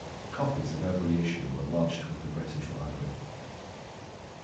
Copies of every issue are lodged with the British Library.